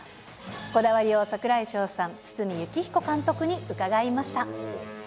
こだわりを櫻井翔さん、堤幸彦監督に伺いました。